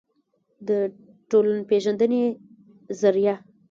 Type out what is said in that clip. دټولنپېژندې ظریه